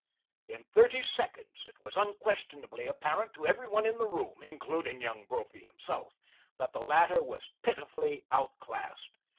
In thirty seconds it was unquestionably apparent to every one in the room, including Young Brophy himself, that the latter was pitifully outclassed.